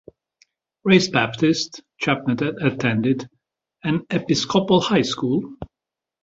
Raised Baptist, Chapman attended an Episcopal high school.